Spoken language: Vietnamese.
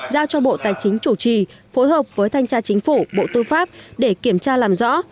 giao cho bộ tài chính chủ trì phối hợp với thanh tra chính phủ bộ tư pháp để kiểm tra làm rõ